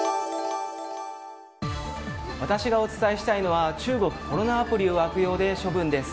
私がお伝えしたいのは中国コロナアプリを悪用で処分です。